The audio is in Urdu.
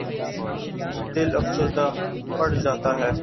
دل افسردہ پڑ جاتا ہے۔